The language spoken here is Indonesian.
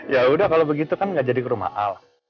yaudah kalo begitu kan ga jadi ke rumah al